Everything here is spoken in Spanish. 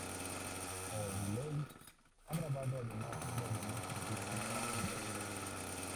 O´Riley ha grabado además obras de música clásica europea.